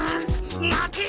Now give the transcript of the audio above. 待て！